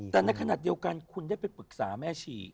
แต่ในขณะเดียวกันคุณได้ไปปรึกษาแม่ชี